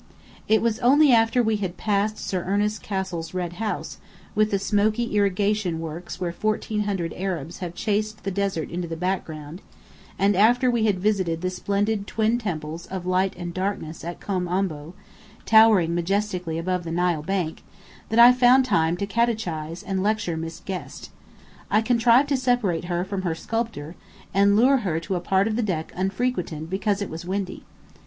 It was only after we had passed Sir Ernest Cassell's red house, with the smoky irrigation works where fourteen hundred Arabs have chased the desert into the background, and after we had visited the splendid twin temples of Light and Darkness at Kom Ombo, towering majestically above the Nile bank, that I found time to catechize and lecture Miss Guest. I contrived to separate her from her sculptor, and lure her to a part of the deck unfrequented because it was windy.